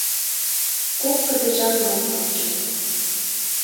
Кок кыдежан мыскылчык